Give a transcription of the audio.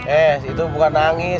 eh itu bukan nangis